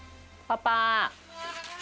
パパ！